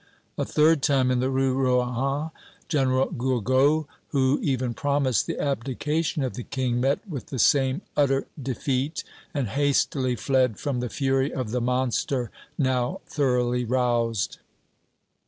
A third time, in the Rue Rohan, General Gourgaud, who even promised the abdication of the King, met with the same utter defeat, and hastily fled from the fury of the monster now thoroughly roused.